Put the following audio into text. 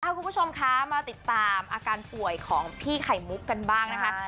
คุณผู้ชมคะมาติดตามอาการป่วยของพี่ไข่มุกกันบ้างนะคะ